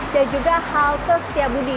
dan juga halte setiabudi